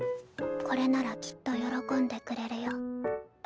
これならきっと喜んでくれるよ。